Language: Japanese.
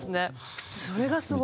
それがすごい！